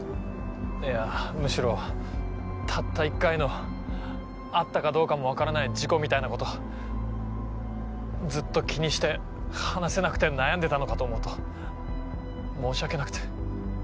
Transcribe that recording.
いやむしろたった１回のあったかどうかも分からない事故みたいなことずっと気にして話せなくて悩んでたのかと思うと申し訳なくて。